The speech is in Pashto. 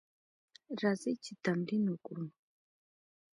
راځئ چې تمرین وکړو: